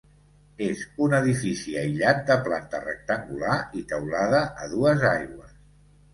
És un edifici aïllat de planta rectangular i teulada a dues aigües.